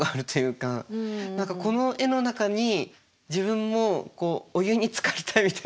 何かこの絵の中に自分もお湯につかれたみたいな。